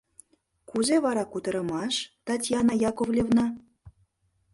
Кузе вара кутырымаш, Татьяна Яковлевна?